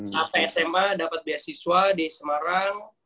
saat sma dapet beasiswa di semarang